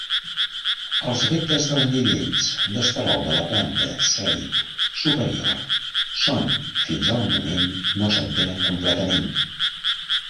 Els efectes dels nivells d'esterol de la planta sèric superior són fins al moment no s'entenen completament.